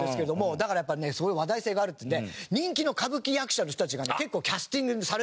だからやっぱりねそういう話題性があるっていうんで人気の歌舞伎役者の人たちがね結構キャスティングされてる。